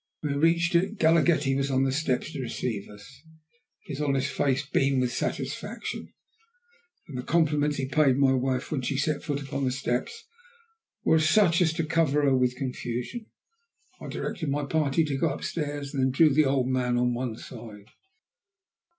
When we reached it, Galaghetti was on the steps to receive us. His honest face beamed with satisfaction, and the compliments he paid my wife when she set foot upon the steps, were such as to cover her with confusion. I directed my party to go up stairs, and then drew the old man on one side.